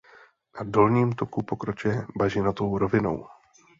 Na dolním toku pokračuje bažinatou rovinou.